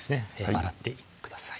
洗ってください